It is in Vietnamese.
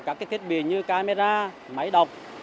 rồi các cái thiết bị như camera máy đọc